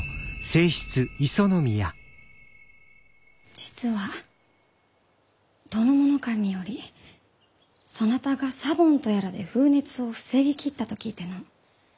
実は主殿頭よりそなたがサボンとやらで風熱を防ぎきったと聞いての。